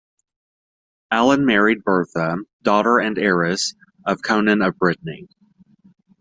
Alan married Bertha, daughter and heiress of Conan of Brittany.